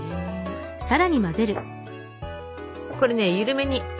これね緩めに。